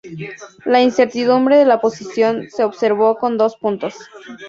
La incertidumbre de la posición se observó con dos puntos.